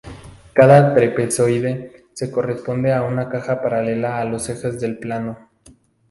Cada trapezoide se corresponde a una caja paralela a los ejes del plano.